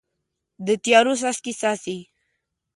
د تیارو څاڅکي، څاڅي